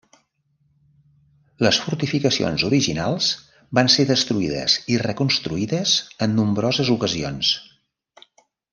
Les fortificacions originals van ser destruïdes i reconstruïdes en nombroses ocasions.